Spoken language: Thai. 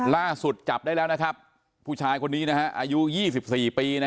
ล่าสุดจับได้แล้วผู้ชายคนนี้อายุ๒๔ปี